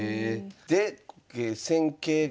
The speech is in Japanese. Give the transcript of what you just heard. で戦型が？